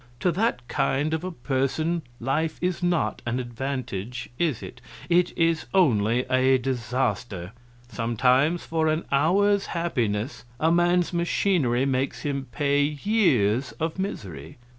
To that kind of a person life is not an advantage, is it? It is only a disaster. Sometimes for an hour's happiness a man's machinery makes him pay years of misery.